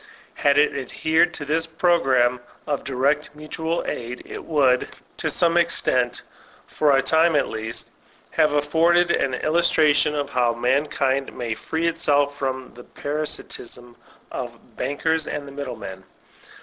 Had it adhered to this program of direct mutual aid, it would, to some extent, for a time at least, have afforded an illustration of how mankind may free itself from the parasitism of the bankers and the middlemen.